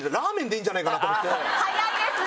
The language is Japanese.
早いですね！